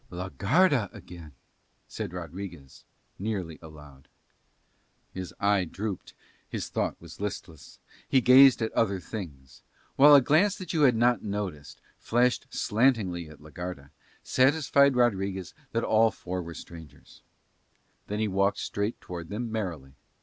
"La Garda again," said Rodriguez nearly aloud. His eye drooped, his look was listless, he gazed at other things; while a glance that you had not noticed, flashed slantingly at la Garda, satisfied Rodriguez that all four were strangers: then he walked straight towards them merrily.